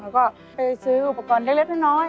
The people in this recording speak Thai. แล้วก็ไปซื้ออุปกรณ์เล็กน้อย